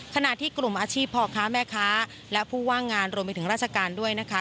ขณะที่กลุ่มอาชีพพ่อค้าแม่ค้าและผู้ว่างงานรวมไปถึงราชการด้วยนะคะ